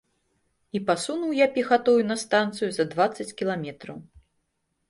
І пасунуў я пехатою на станцыю за дваццаць кіламетраў.